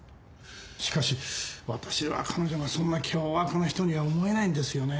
しかし私は彼女がそんな凶悪な人には思えないんですよね。